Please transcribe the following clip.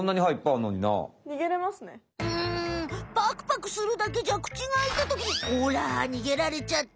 パクパクするだけじゃ口があいたときにほらにげられちゃった！